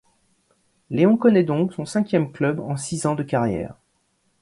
Léon connaît donc son cinquième club en six ans de carrière.